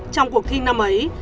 trong cuộc thi năm ấy